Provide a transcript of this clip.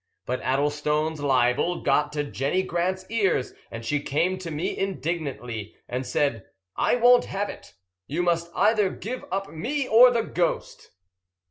But Addlestone's libel got to Jenny Grant's ears, and she came to me indignantly, and said: "I won't have it. You must either give up me or the ghost."